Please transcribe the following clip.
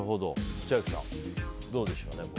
千秋さん、どうでしょう。